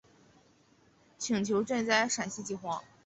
请求赈灾陕西饥荒。